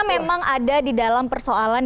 memang ada di dalam persoalan